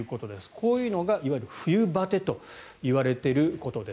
こういうのが、いわゆる冬バテといわれていることです。